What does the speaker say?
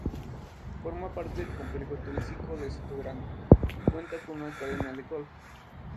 Forma parte del complejo turístico de Sotogrande y cuenta con una academia de golf.